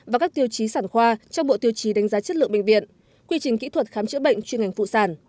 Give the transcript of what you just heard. và các tiêu chí sản khoa trong bộ tiêu chí đánh giá chất lượng bệnh viện quy trình kỹ thuật khám chữa bệnh chuyên ngành phụ sản